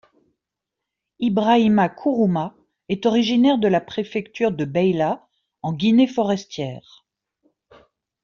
Ibrahima Kourouma est originaire de la préfecture de Beyla, en Guinée forestière.